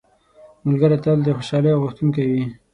ملګری تل د خوشحالۍ غوښتونکی وي